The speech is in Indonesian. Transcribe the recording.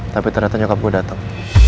tapi ternyata nyokap gue dateng